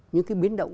những cái biến động